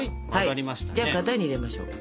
じゃあ型に入れましょう。